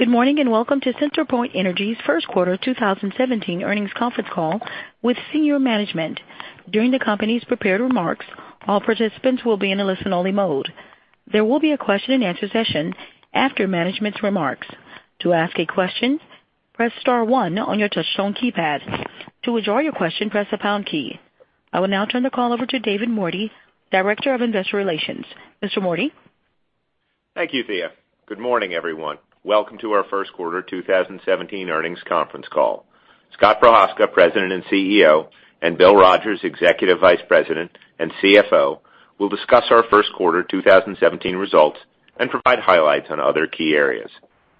Good morning, welcome to CenterPoint Energy's first quarter 2017 earnings conference call with senior management. During the company's prepared remarks, all participants will be in a listen-only mode. There will be a question-and-answer session after management's remarks. To ask a question, press star one on your touch-tone keypad. To withdraw your question, press the pound key. I will now turn the call over to David Mordy, Director of Investor Relations. Mr. Mordy? Thank you, Thea. Good morning, everyone. Welcome to our first quarter 2017 earnings conference call. Scott Prochazka, President and CEO, and Bill Rogers, Executive Vice President and CFO, will discuss our first quarter 2017 results and provide highlights on other key areas.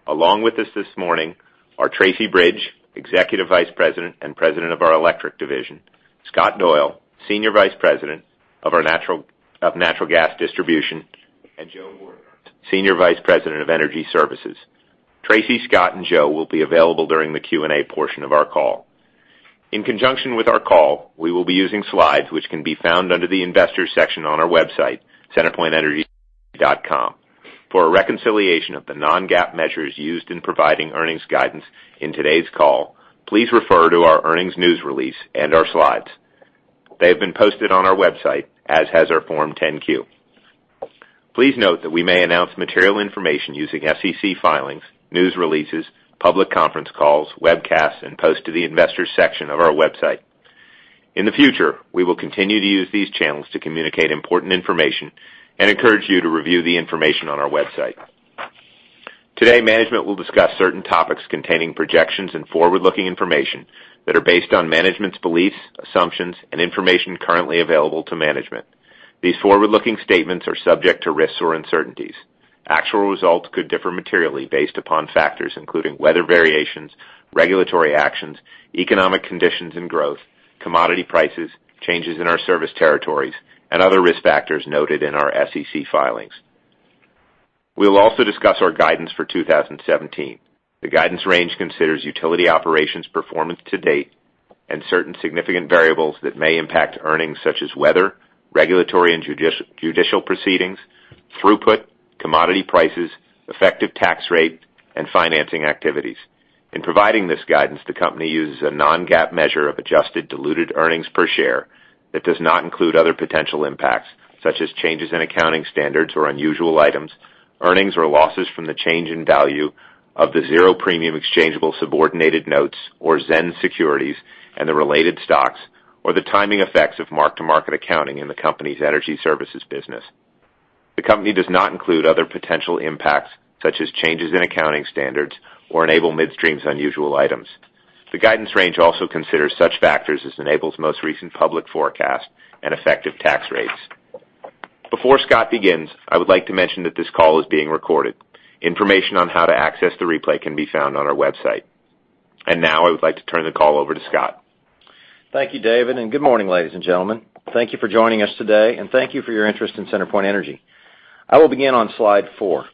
Along with us this morning are Tracy Bridge, Executive Vice President and President of our Electric Division, Scott Doyle, Senior Vice President of Natural Gas Distribution, and Joe Warner, Senior Vice President of Energy Services. Tracy, Scott, and Joe will be available during the Q&A portion of our call. In conjunction with our call, we will be using slides which can be found under the investors section on our website, centerpointenergy.com. For a reconciliation of the non-GAAP measures used in providing earnings guidance in today's call, please refer to our earnings news release and our slides. They have been posted on our website, as has our Form 10-Q. Please note that we may announce material information using SEC filings, news releases, public conference calls, webcasts, and posts to the investors section of our website. In the future, we will continue to use these channels to communicate important information and encourage you to review the information on our website. Today, management will discuss certain topics containing projections and forward-looking information that are based on management's beliefs, assumptions, and information currently available to management. These forward-looking statements are subject to risks or uncertainties. Actual results could differ materially based upon factors including weather variations, regulatory actions, economic conditions and growth, commodity prices, changes in our service territories, and other risk factors noted in our SEC filings. We will also discuss our guidance for 2017. The guidance range considers utility operations performance to date and certain significant variables that may impact earnings, such as weather, regulatory and judicial proceedings, throughput, commodity prices, effective tax rate, and financing activities. In providing this guidance, the company uses a non-GAAP measure of adjusted diluted earnings per share that does not include other potential impacts, such as changes in accounting standards or unusual items, earnings or losses from the change in value of the zero-premium exchangeable subordinated notes or ZENS securities and the related stocks, or the timing effects of mark-to-market accounting in the company's Energy Services business. The company does not include other potential impacts, such as changes in accounting standards or Enable Midstream's unusual items. The guidance range also considers such factors as Enable's most recent public forecast and effective tax rates. Before Scott begins, I would like to mention that this call is being recorded. Information on how to access the replay can be found on our website. Now I would like to turn the call over to Scott. Thank you, David, and good morning, ladies and gentlemen. Thank you for joining us today, and thank you for your interest in CenterPoint Energy. I will begin on slide four.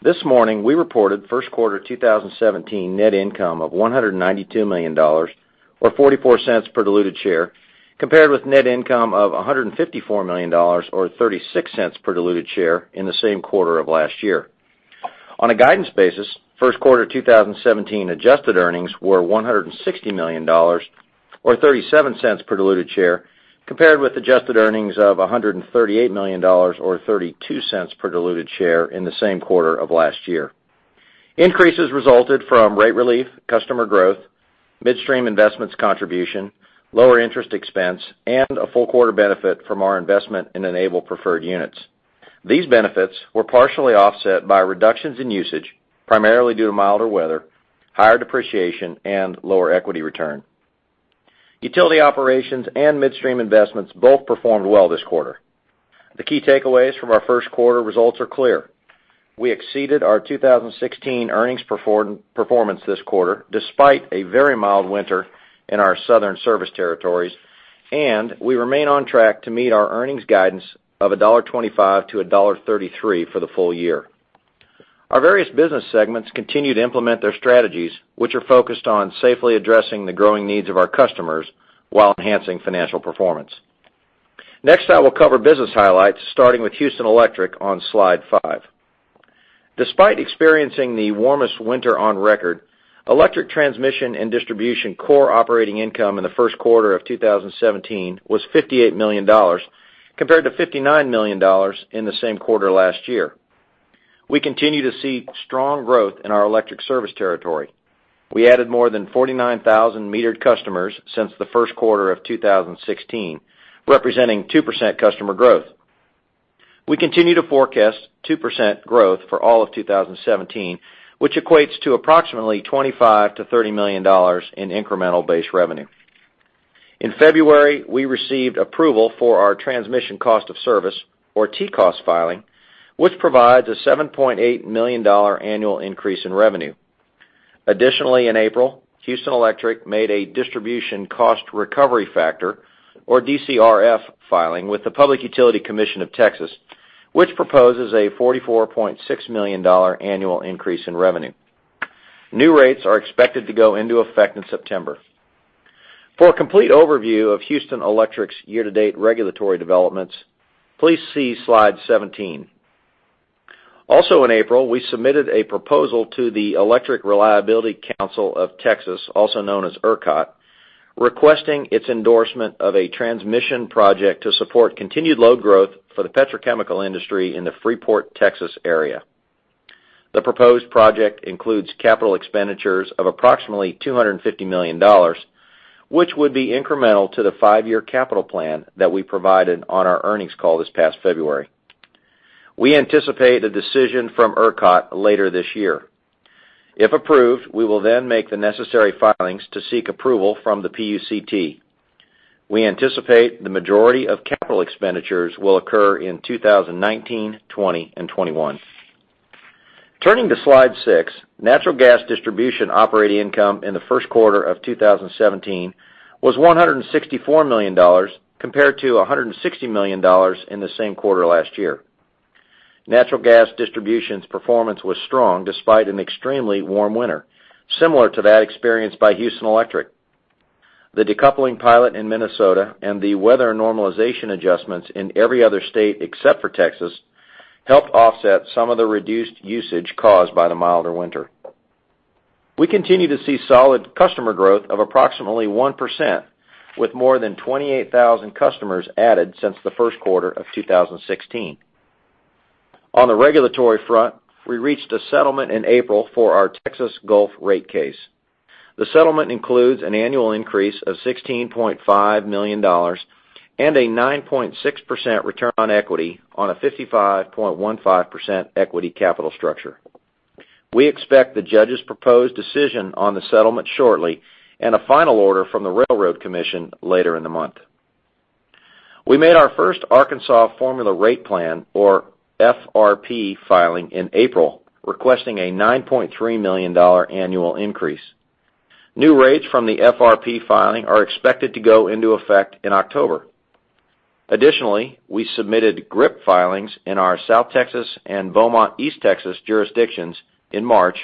This morning, we reported first quarter 2017 net income of $192 million, or $0.44 per diluted share, compared with net income of $154 million or $0.36 per diluted share in the same quarter of last year. On a guidance basis, first quarter 2017 adjusted earnings were $160 million, or $0.37 per diluted share, compared with adjusted earnings of $138 million or $0.32 per diluted share in the same quarter of last year. Increases resulted from rate relief, customer growth, midstream investments contribution, lower interest expense, and a full-quarter benefit from our investment in Enable preferred units. These benefits were partially offset by reductions in usage, primarily due to milder weather, higher depreciation, and lower equity return. Utility operations and midstream investments both performed well this quarter. The key takeaways from our first quarter results are clear. We exceeded our 2016 earnings performance this quarter, despite a very mild winter in our southern service territories, and we remain on track to meet our earnings guidance of $1.25-$1.33 for the full year. Our various business segments continue to implement their strategies, which are focused on safely addressing the growing needs of our customers while enhancing financial performance. Next, I will cover business highlights, starting with Houston Electric on slide five. Despite experiencing the warmest winter on record, electric transmission and distribution core operating income in the first quarter of 2017 was $58 million, compared to $59 million in the same quarter last year. We continue to see strong growth in our electric service territory. We added more than 49,000 metered customers since the first quarter of 2016, representing 2% customer growth. We continue to forecast 2% growth for all of 2017, which equates to approximately $25 million-$30 million in incremental base revenue. In February, we received approval for our transmission cost of service or TCOS filing, which provides a $7.8 million annual increase in revenue. Additionally, in April, Houston Electric made a distribution cost recovery factor or DCRF filing with the Public Utility Commission of Texas, which proposes a $44.6 million annual increase in revenue. New rates are expected to go into effect in September. For a complete overview of Houston Electric's year-to-date regulatory developments, please see slide 17. In April, we submitted a proposal to the Electric Reliability Council of Texas, also known as ERCOT, requesting its endorsement of a transmission project to support continued load growth for the petrochemical industry in the Freeport, Texas area. The proposed project includes capital expenditures of approximately $250 million, which would be incremental to the five-year capital plan that we provided on our earnings call this past February. We anticipate a decision from ERCOT later this year. If approved, we will then make the necessary filings to seek approval from the PUCT. We anticipate the majority of capital expenditures will occur in 2019, 2020, and 2021. Turning to slide six, natural gas distribution operating income in the first quarter of 2017 was $164 million, compared to $160 million in the same quarter last year. Natural gas distribution's performance was strong despite an extremely warm winter, similar to that experienced by Houston Electric. The decoupling pilot in Minnesota and the weather normalization adjustments in every other state except for Texas helped offset some of the reduced usage caused by the milder winter. We continue to see solid customer growth of approximately 1%, with more than 28,000 customers added since the first quarter of 2016. On the regulatory front, we reached a settlement in April for our Texas Gulf rate case. The settlement includes an annual increase of $16.5 million and a 9.6% return on equity on a 55.15% equity capital structure. We expect the judge's proposed decision on the settlement shortly, and a final order from the Railroad Commission later in the month. We made our first Arkansas Formula Rate Plan, or FRP, filing in April, requesting a $9.3 million annual increase. New rates from the FRP filing are expected to go into effect in October. Additionally, we submitted GRIP filings in our South Texas and Beaumont, East Texas jurisdictions in March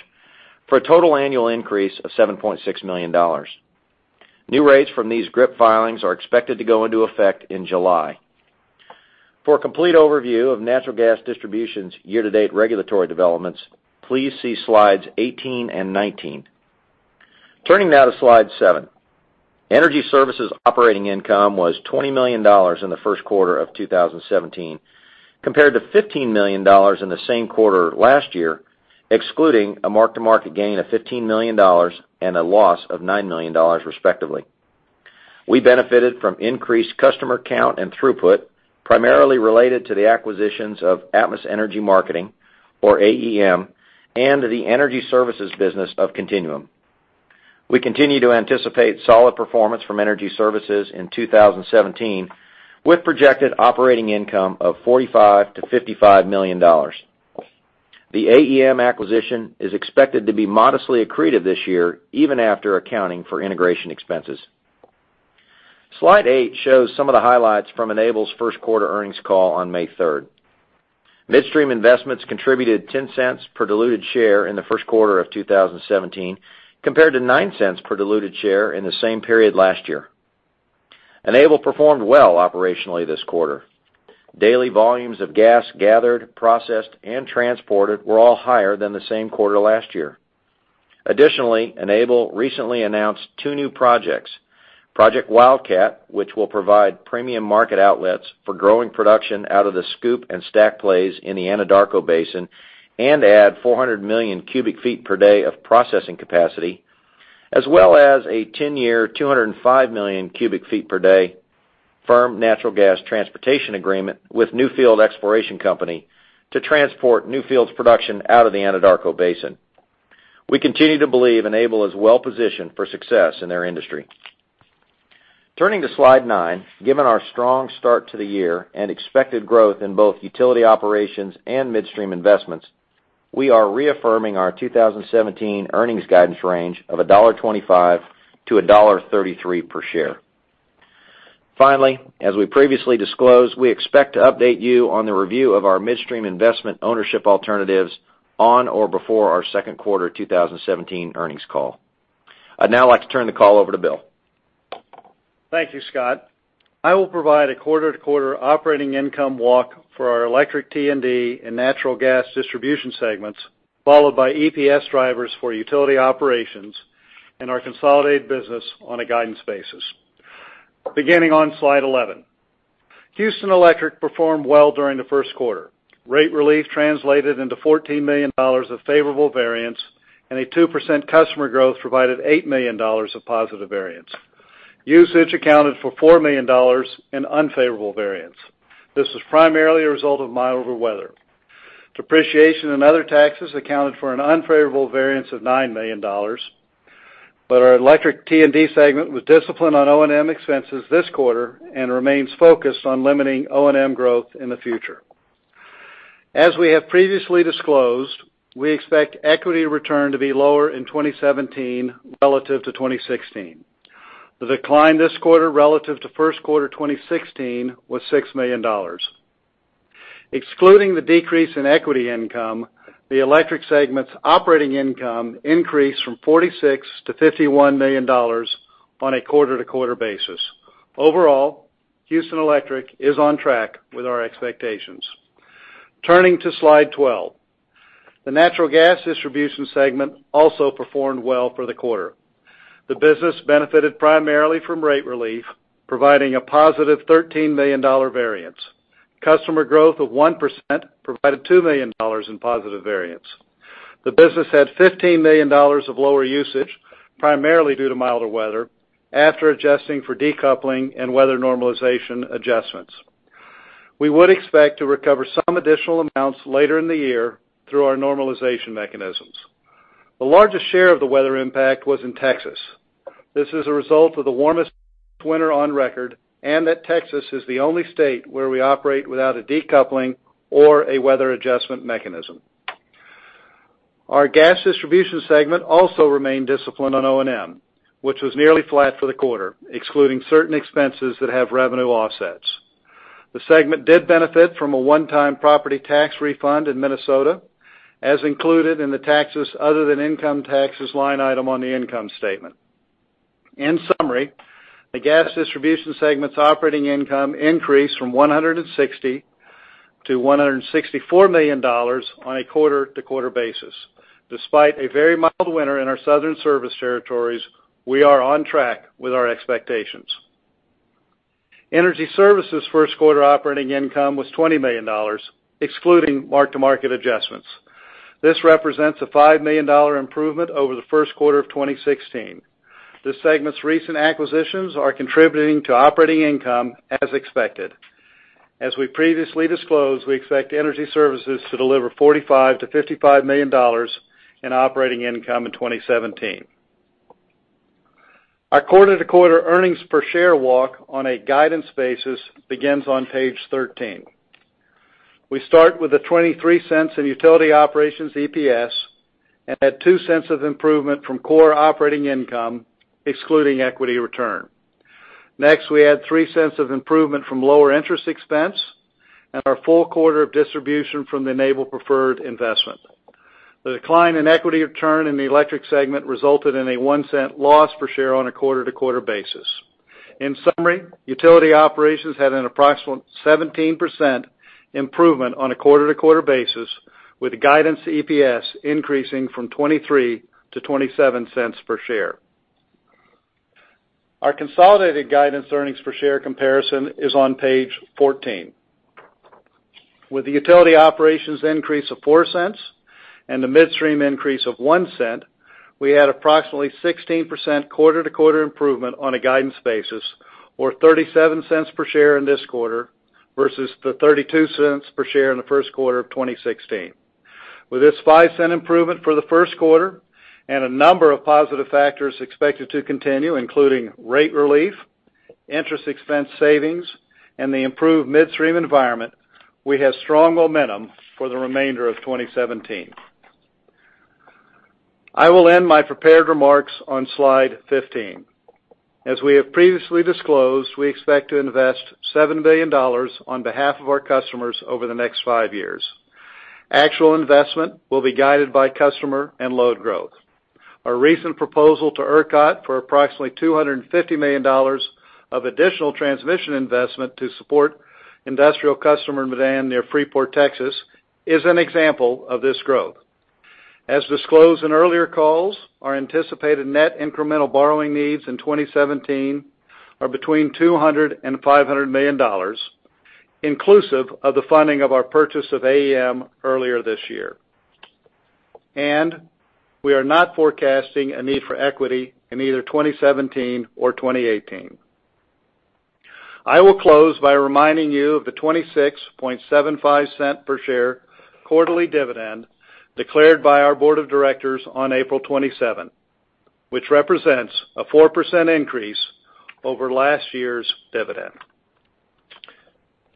for a total annual increase of $7.6 million. New rates from these GRIP filings are expected to go into effect in July. For a complete overview of natural gas distribution's year-to-date regulatory developments, please see slides 18 and 19. Turning now to slide seven. Energy services operating income was $20 million in the first quarter of 2017, compared to $15 million in the same quarter last year, excluding a mark-to-market gain of $15 million and a loss of $9 million respectively. We benefited from increased customer count and throughput, primarily related to the acquisitions of Atmos Energy Marketing, or AEM, and the energy services business of Continuum. We continue to anticipate solid performance from energy services in 2017, with projected operating income of $45 million-$55 million. The AEM acquisition is expected to be modestly accretive this year, even after accounting for integration expenses. Slide eight shows some of the highlights from Enable's first quarter earnings call on May 3rd. Midstream investments contributed $0.10 per diluted share in the first quarter of 2017, compared to $0.09 per diluted share in the same period last year. Enable performed well operationally this quarter. Daily volumes of gas gathered, processed, and transported were all higher than the same quarter last year. Additionally, Enable recently announced two new projects, Project Wildcat, which will provide premium market outlets for growing production out of the SCOOP and STACK plays in the Anadarko Basin and add 400 million cubic feet per day of processing capacity, as well as a 10-year, 205 million cubic feet per day firm natural gas transportation agreement with Newfield Exploration Company to transport Newfield's production out of the Anadarko Basin. We continue to believe Enable is well-positioned for success in their industry. Turning to slide nine, given our strong start to the year and expected growth in both utility operations and midstream investments, we are reaffirming our 2017 earnings guidance range of $1.25 to $1.33 per share. Finally, as we previously disclosed, we expect to update you on the review of our midstream investment ownership alternatives on or before our second quarter 2017 earnings call. I'd now like to turn the call over to Bill. Thank you, Scott. I will provide a quarter-to-quarter operating income walk for our Electric T&D and natural gas distribution segments, followed by EPS drivers for utility operations and our consolidated business on a guidance basis. Beginning on slide 11. Houston Electric performed well during the first quarter. Rate relief translated into $14 million of favorable variance, and a 2% customer growth provided $8 million of positive variance. Usage accounted for $4 million in unfavorable variance. This was primarily a result of mild over weather. Depreciation and other taxes accounted for an unfavorable variance of $9 million. Our Electric T&D segment was disciplined on O&M expenses this quarter and remains focused on limiting O&M growth in the future. As we have previously disclosed, we expect equity return to be lower in 2017 relative to 2016. The decline this quarter relative to first quarter 2016 was $6 million. Excluding the decrease in equity income, the electric segment's operating income increased from $46 million to $51 million on a quarter-to-quarter basis. Overall, Houston Electric is on track with our expectations. Turning to slide 12. The natural gas distribution segment also performed well for the quarter. The business benefited primarily from rate relief, providing a positive $13 million variance. Customer growth of 1% provided $2 million in positive variance. The business had $15 million of lower usage, primarily due to milder weather after adjusting for decoupling and weather normalization adjustments. We would expect to recover some additional amounts later in the year through our normalization mechanisms. The largest share of the weather impact was in Texas. This is a result of the warmest winter on record, and that Texas is the only state where we operate without a decoupling or a weather adjustment mechanism. Our gas distribution segment also remained disciplined on O&M, which was nearly flat for the quarter, excluding certain expenses that have revenue offsets. The segment did benefit from a one-time property tax refund in Minnesota, as included in the taxes other than income taxes line item on the income statement. In summary, the gas distribution segment's operating income increased from $160 million-$164 million on a quarter-to-quarter basis. Despite a very mild winter in our southern service territories, we are on track with our expectations. Energy Services' first quarter operating income was $20 million, excluding mark-to-market adjustments. This represents a $5 million improvement over the first quarter of 2016. This segment's recent acquisitions are contributing to operating income as expected. As we previously disclosed, we expect Energy Services to deliver $45 million-$55 million in operating income in 2017. Our quarter-to-quarter earnings per share walk on a guidance basis begins on page 13. We start with the $0.23 in utility operations EPS and add $0.02 of improvement from core operating income, excluding equity return. Next, we add $0.03 of improvement from lower interest expense and our full quarter of distribution from the Enable Preferred investment. The decline in equity return in the electric segment resulted in a $0.01 loss per share on a quarter-to-quarter basis. In summary, utility operations had an approximate 17% improvement on a quarter-to-quarter basis, with guidance EPS increasing from $0.23-$0.27 per share. Our consolidated guidance earnings per share comparison is on page 14. With the utility operations increase of $0.04 and the midstream increase of $0.01, we had approximately 16% quarter-to-quarter improvement on a guidance basis or $0.37 per share in this quarter versus the $0.32 per share in the first quarter of 2016. With this $0.05 improvement for the first quarter and a number of positive factors expected to continue, including rate relief, interest expense savings, and the improved midstream environment, we have strong momentum for the remainder of 2017. I will end my prepared remarks on slide 15. As we have previously disclosed, we expect to invest $7 billion on behalf of our customers over the next five years. Actual investment will be guided by customer and load growth. Our recent proposal to ERCOT for approximately $250 million of additional transmission investment to support industrial customer demand near Freeport, Texas, is an example of this growth. As disclosed in earlier calls, our anticipated net incremental borrowing needs in 2017 are between $200 million and $500 million, inclusive of the funding of our purchase of AEM earlier this year. We are not forecasting a need for equity in either 2017 or 2018. I will close by reminding you of the $0.2675 per share quarterly dividend declared by our board of directors on April 27, which represents a 4% increase over last year's dividend.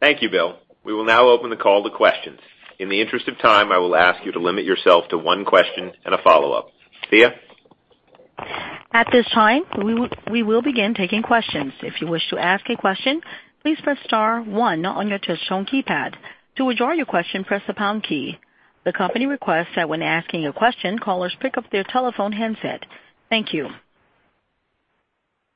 Thank you, Bill. We will now open the call to questions. In the interest of time, I will ask you to limit yourself to one question and a follow-up. Thea? At this time, we will begin taking questions. If you wish to ask a question, please press star one on your touch tone keypad. To withdraw your question, press the pound key. The company requests that when asking a question, callers pick up their telephone handset. Thank you.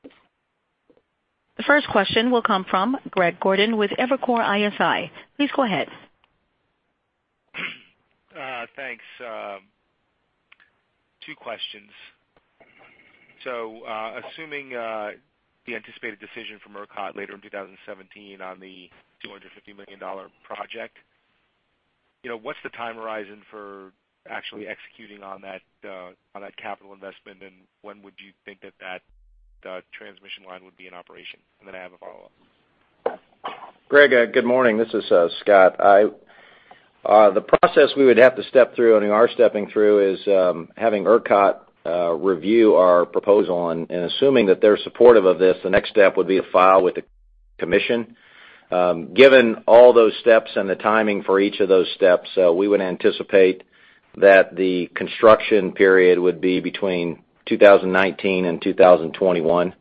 The first question will come from Greg Gordon with Evercore ISI. Please go ahead. Thanks. Two questions. Assuming the anticipated decision from ERCOT later in 2017 on the $250 million project, what's the time horizon for actually executing on that capital investment, and when would you think that that transmission line would be in operation? Then I have a follow-up. Greg, good morning. This is Scott. The process we would have to step through and are stepping through is having ERCOT review our proposal. Assuming that they're supportive of this, the next step would be to file with the commission. Given all those steps and the timing for each of those steps, we would anticipate that the construction period would be between 2019 and 2021.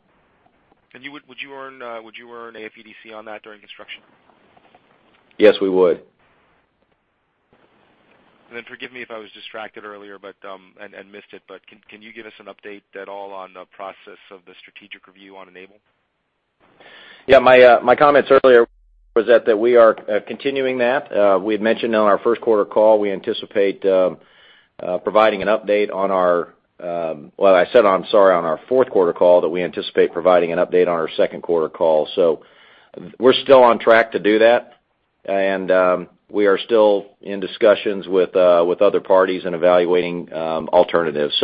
Would you earn AFUDC on that during construction? Yes, we would. Forgive me if I was distracted earlier and missed it, but can you give us an update at all on the process of the strategic review on Enable? My comments earlier was that we are continuing that. We had mentioned on our fourth quarter call that we anticipate providing an update on our second quarter call. We're still on track to do that. We are still in discussions with other parties and evaluating alternatives.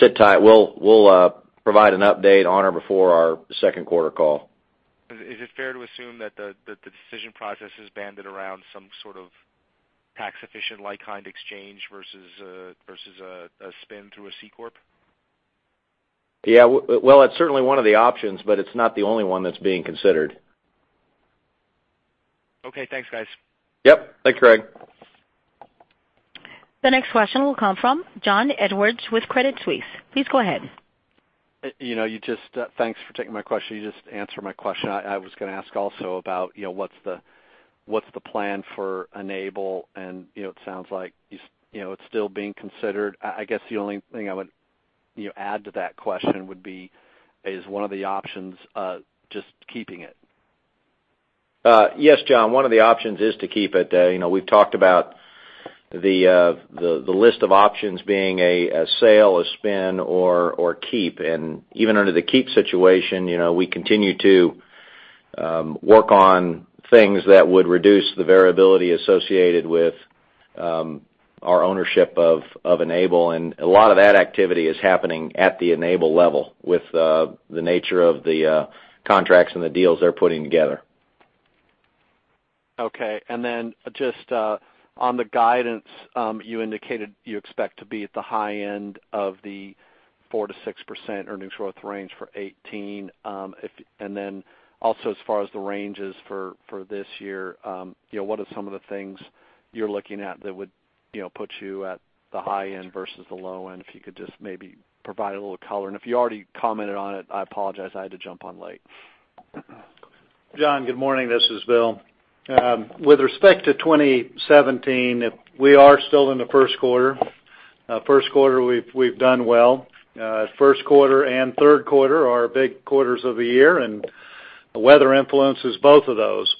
Sit tight. We'll provide an update on or before our second quarter call. Is it fair to assume that the decision process has banded around some sort of tax-efficient like-kind exchange versus a spin through a C corp? Yeah. Well, it's certainly one of the options, but it's not the only one that's being considered. Okay. Thanks, guys. Yep. Thanks, Greg. The next question will come from John Edwards with Credit Suisse. Please go ahead. Thanks for taking my question. You just answered my question. I was going to ask also about what's the plan for Enable and it sounds like it's still being considered. I guess the only thing I would add to that question would be, is one of the options just keeping it? Yes, John. One of the options is to keep it. We've talked about the list of options being a sale, a spin, or keep. Even under the keep situation, we continue to work on things that would reduce the variability associated with our ownership of Enable. A lot of that activity is happening at the Enable level with the nature of the contracts and the deals they're putting together. Okay. Then just on the guidance, you indicated you expect to be at the high end of the 4%-6% earnings growth range for 2018. Then also as far as the ranges for this year, what are some of the things you're looking at that would put you at the high end versus the low end? If you could just maybe provide a little color. If you already commented on it, I apologize, I had to jump on late. John, good morning. This is Bill. With respect to 2017, we are still in the first quarter. First quarter, we've done well. First quarter and third quarter are big quarters of the year, and the weather influences both of those.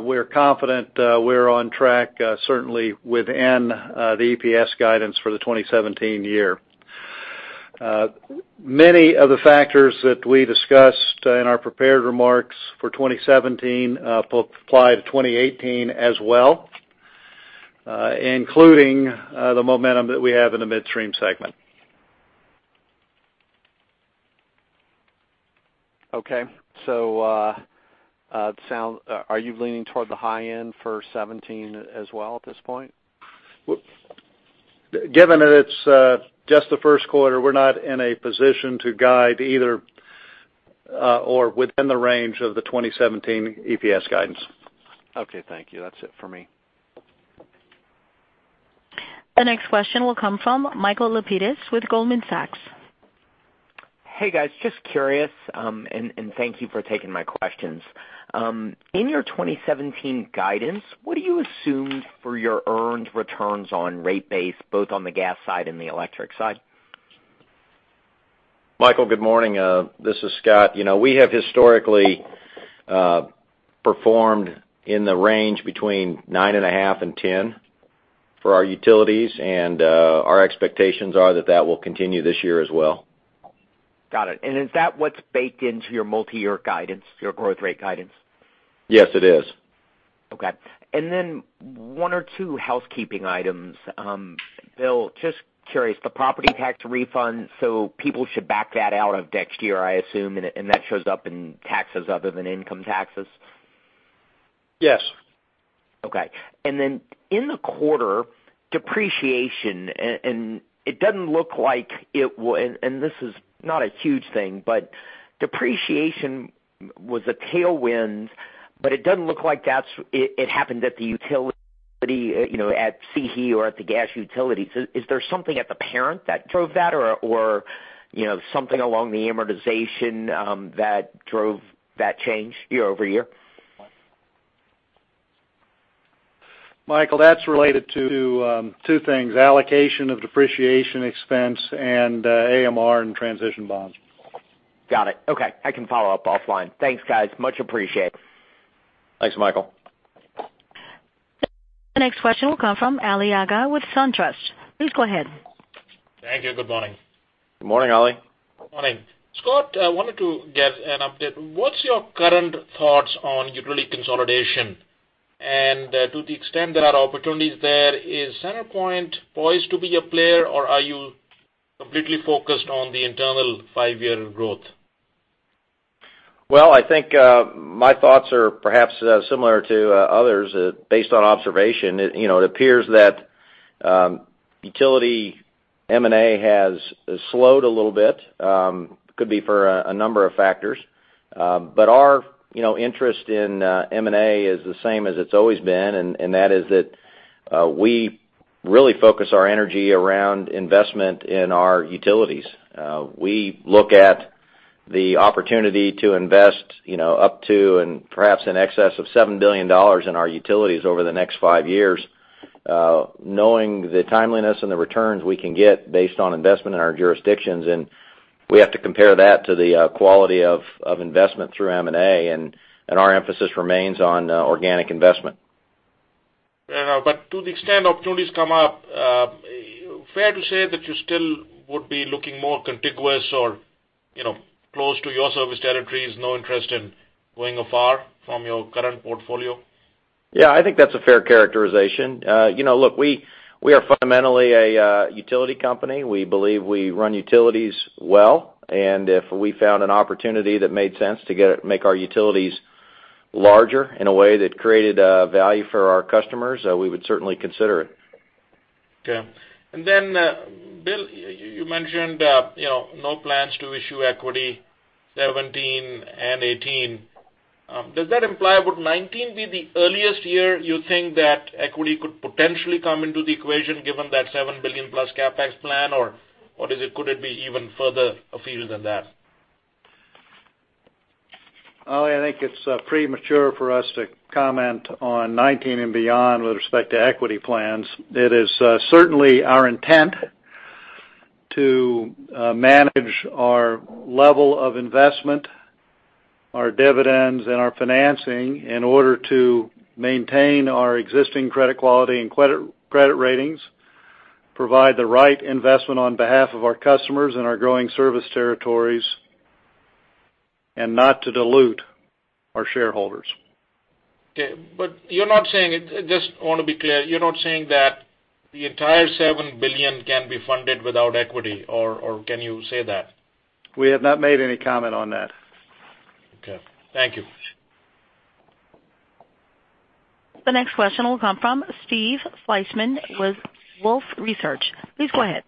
We're confident we're on track certainly within the EPS guidance for the 2017 year. Many of the factors that we discussed in our prepared remarks for 2017 apply to 2018 as well, including the momentum that we have in the midstream segment. Okay. Are you leaning toward the high end for 2017 as well at this point? Given that it's just the first quarter, we're not in a position to guide either or within the range of the 2017 EPS guidance. Okay, thank you. That's it for me. The next question will come from Michael Lapides with Goldman Sachs. Hey, guys. Thank you for taking my questions. In your 2017 guidance, what do you assume for your earned returns on rate base, both on the gas side and the electric side? Michael, good morning. This is Scott. We have historically performed in the range between 9.5% and 10% for our utilities. Our expectations are that that will continue this year as well. Got it. Is that what's baked into your multi-year guidance, your growth rate guidance? Yes, it is. Okay. One or two housekeeping items. Bill, just curious, the property tax refund, so people should back that out of next year, I assume, and that shows up in taxes other than income taxes? Yes. Okay. In the quarter, depreciation. It doesn't look like it would, and this is not a huge thing, but depreciation was a tailwind, but it doesn't look like it happened at the utility, at CE or at the gas utilities. Is there something at the parent that drove that or something along the amortization that drove that change year-over-year? Michael, that's related to two things, allocation of depreciation expense and AMR and transition bonds. Got it. Okay. I can follow up offline. Thanks, guys. Much appreciated. Thanks, Michael. The next question will come from Ali Agha with SunTrust. Please go ahead. Thank you. Good morning. Good morning, Ali. Morning. Scott, I wanted to get an update. What's your current thoughts on utility consolidation? To the extent there are opportunities there, is CenterPoint poised to be a player, or are you completely focused on the internal five-year growth? Well, I think my thoughts are perhaps similar to others based on observation. It appears that utility M&A has slowed a little bit. Could be for a number of factors. Our interest in M&A is the same as it's always been, and that is that we Really focus our energy around investment in our utilities. We look at the opportunity to invest up to, and perhaps in excess of $7 billion in our utilities over the next five years, knowing the timeliness and the returns we can get based on investment in our jurisdictions. We have to compare that to the quality of investment through M&A, and our emphasis remains on organic investment. Yeah. To the extent opportunities come up, fair to say that you still would be looking more contiguous or close to your service territories? No interest in going afar from your current portfolio? I think that's a fair characterization. Look, we are fundamentally a utility company. We believe we run utilities well, and if we found an opportunity that made sense to make our utilities larger in a way that created value for our customers, we would certainly consider it. Bill, you mentioned no plans to issue equity 2017 and 2018. Does that imply 2019 be the earliest year you think that equity could potentially come into the equation given that $7 billion-plus CapEx plan? What is it, could it be even further afield than that? I think it's premature for us to comment on 2019 and beyond with respect to equity plans. It is certainly our intent to manage our level of investment, our dividends, and our financing in order to maintain our existing credit quality and credit ratings, provide the right investment on behalf of our customers and our growing service territories, and not to dilute our shareholders. You're not saying-- I just want to be clear. You're not saying that the entire $7 billion can be funded without equity, can you say that? We have not made any comment on that. Okay. Thank you. The next question will come from Steve Fleishman with Wolfe Research. Please go ahead.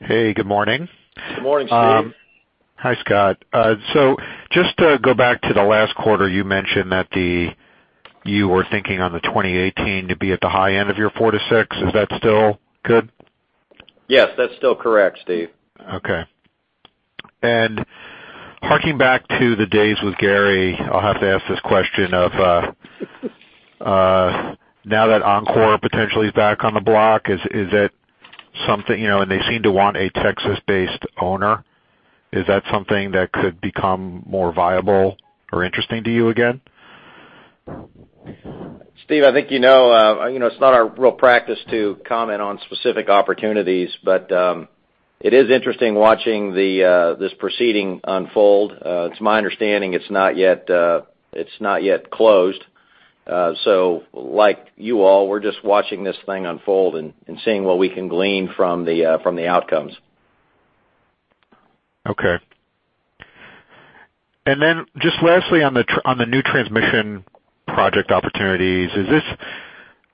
Hey, good morning. Good morning, Steve. Hi, Scott. Just to go back to the last quarter, you mentioned that you were thinking on the 2018 to be at the high end of your 4-6. Is that still good? Yes, that's still correct, Steve. Okay. Harking back to the days with Gary, I'll have to ask this question. Now that Oncor potentially is back on the block, and they seem to want a Texas-based owner, is that something that could become more viable or interesting to you again? Steve, I think you know it's not our real practice to comment on specific opportunities, but it is interesting watching this proceeding unfold. It's my understanding it's not yet closed. Like you all, we're just watching this thing unfold and seeing what we can glean from the outcomes. Okay. Then just lastly on the new transmission project opportunities.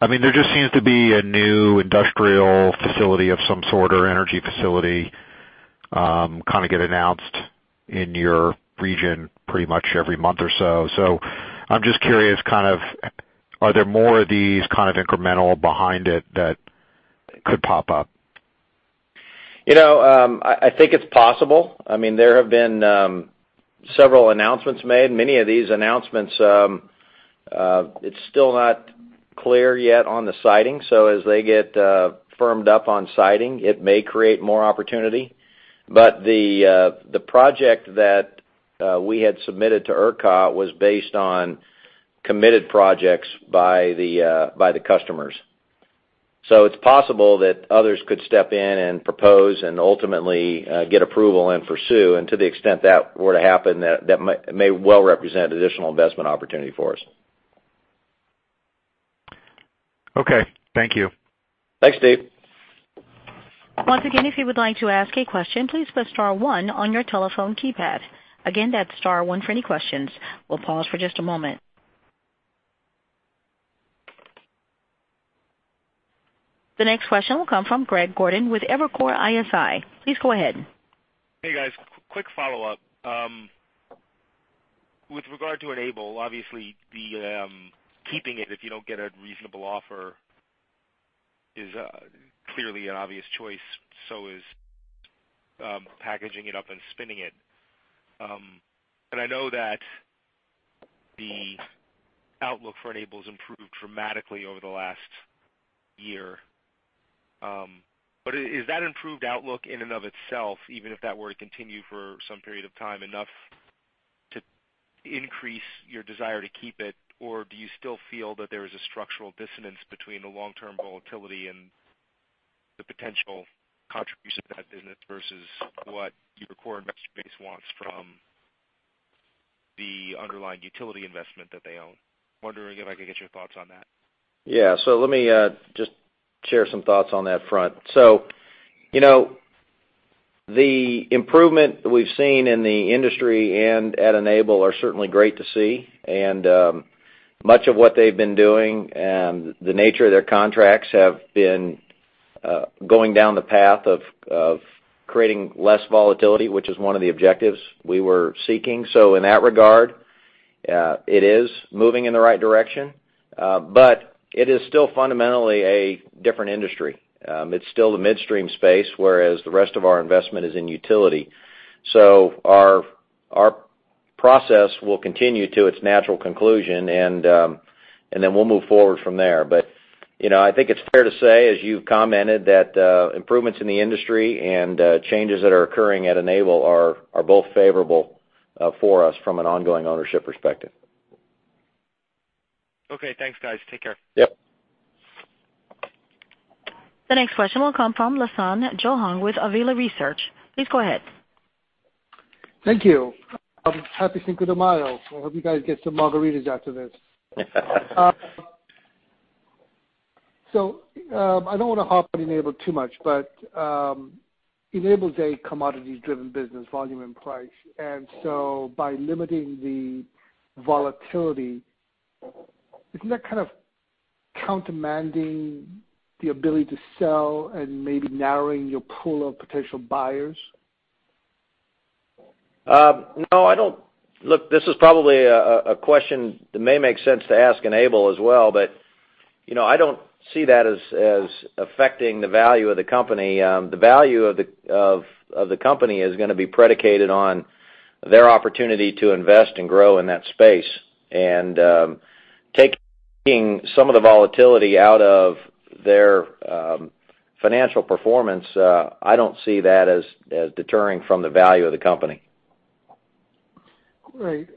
There just seems to be a new industrial facility of some sort or energy facility kind of get announced in your region pretty much every month or so. I'm just curious, are there more of these kind of incremental behind it that could pop up? I think it's possible. There have been several announcements made. Many of these announcements, it's still not clear yet on the siting. As they get firmed up on siting, it may create more opportunity. The project that we had submitted to ERCOT was based on committed projects by the customers. It's possible that others could step in and propose and ultimately get approval and pursue, and to the extent that were to happen, that may well represent additional investment opportunity for us. Okay. Thank you. Thanks, Steve. Once again, if you would like to ask a question, please press star one on your telephone keypad. Again, that's star one for any questions. We'll pause for just a moment. The next question will come from Greg Gordon with Evercore ISI. Please go ahead. Hey, guys. Quick follow-up. With regard to Enable, obviously keeping it if you don't get a reasonable offer is clearly an obvious choice, so is packaging it up and spinning it. I know that the outlook for Enable's improved dramatically over the last year. Is that improved outlook in and of itself, even if that were to continue for some period of time, enough to increase your desire to keep it? Do you still feel that there is a structural dissonance between the long-term volatility and the potential contribution to that business versus what your core investor base wants from the underlying utility investment that they own? Wondering if I could get your thoughts on that. Yeah. Let me just share some thoughts on that front. The improvement we've seen in the industry and at Enable are certainly great to see, and much of what they've been doing and the nature of their contracts have been going down the path of creating less volatility, which is one of the objectives we were seeking. In that regard, it is moving in the right direction, but it is still fundamentally a different industry. It's still the midstream space, whereas the rest of our investment is in utility. Our process will continue to its natural conclusion, and then we'll move forward from there. I think it's fair to say, as you've commented, that improvements in the industry and changes that are occurring at Enable are both favorable for us from an ongoing ownership perspective. Okay, thanks, guys. Take care. Yep. The next question will come from Lasan Johong with Avila Research. Please go ahead. Thank you. Happy Cinco de Mayo. I hope you guys get some margaritas after this. I don't want to harp on Enable too much. Enable's a commodity-driven business, volume and price. By limiting the volatility, isn't that kind of countermanding the ability to sell and maybe narrowing your pool of potential buyers? No. Look, this is probably a question that may make sense to ask Enable as well. I don't see that as affecting the value of the company. The value of the company is going to be predicated on their opportunity to invest and grow in that space. Taking some of the volatility out of their financial performance, I don't see that as deterring from the value of the company. Great.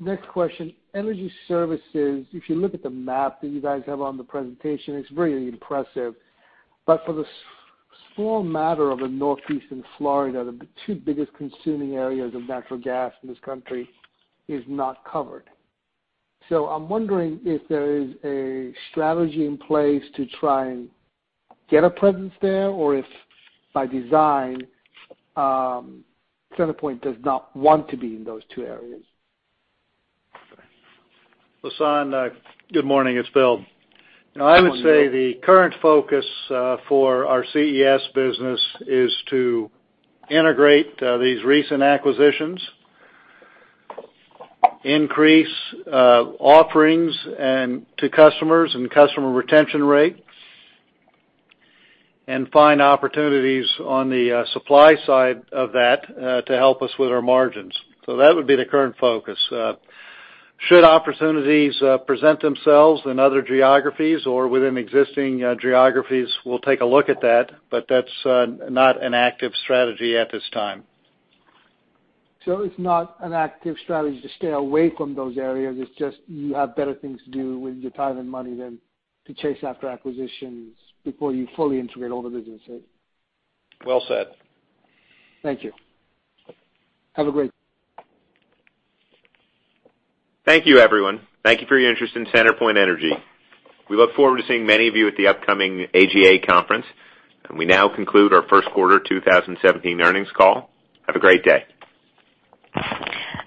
Next question. Energy services, if you look at the map that you guys have on the presentation, it's very impressive. For the small matter of the Northeast Florida, the two biggest consuming areas of natural gas in this country is not covered. I'm wondering if there is a strategy in place to try and get a presence there, or if by design, CenterPoint does not want to be in those two areas. Lasan, good morning. It's Bill. I would say the current focus for our CES business is to integrate these recent acquisitions, increase offerings to customers and customer retention rates, and find opportunities on the supply side of that to help us with our margins. That would be the current focus. Should opportunities present themselves in other geographies or within existing geographies, we'll take a look at that's not an active strategy at this time. It's not an active strategy to stay away from those areas. It's just you have better things to do with your time and money than to chase after acquisitions before you fully integrate all the businesses. Well said. Thank you. Have a great day. Thank you, everyone. Thank you for your interest in CenterPoint Energy. We look forward to seeing many of you at the upcoming AGA conference. We now conclude our first quarter 2017 earnings call. Have a great day.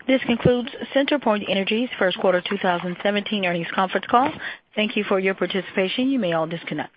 This concludes CenterPoint Energy's first quarter 2017 earnings conference call. Thank you for your participation. You may all disconnect.